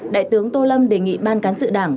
đại tướng tô lâm đề nghị ban cán sự đảng